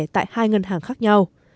tại hai ngân hàng khác nhau